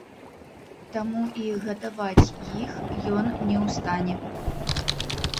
Таму і гадаваць іх ён не ў стане.